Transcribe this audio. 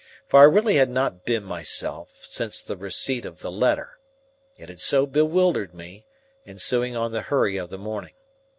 For I really had not been myself since the receipt of the letter; it had so bewildered me, ensuing on the hurry of the morning.